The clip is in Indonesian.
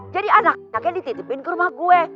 jadi anak nyaknya dititipin ke rumah gue